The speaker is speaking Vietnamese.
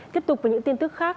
tiếp tục với những tin tức khác